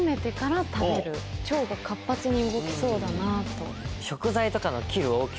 腸が活発に動きそうだなと。